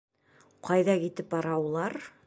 — Ҡайҙа китеп бара улар?